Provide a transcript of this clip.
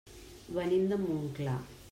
Venim de Montclar.